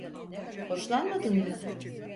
Hoşlanmadın mı?